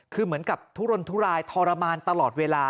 คือเหมือนกับทุรนทุรายทรมานตลอดเวลา